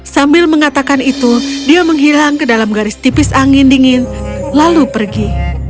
sambil mengatakan itu dia menghilang ke dalam garis tipis angin dingin lalu pergi